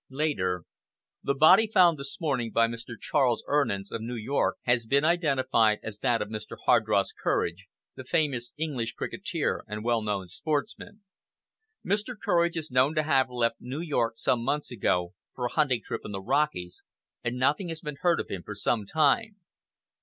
LATER "The body found this morning by Mr. Charles Urnans of New York has been identified as that of Mr. Hardross Courage, the famous English cricketer and well known sportsman. Mr. Courage is known to have left New York some months ago, for a hunting trip in the Rockies, and nothing has been heard of him for some time.